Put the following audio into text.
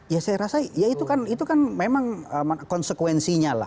ya saya rasa ya itu kan memang konsekuensinya lah